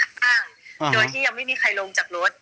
ข้างโดยที่ยังไม่มีใครลงจากรถ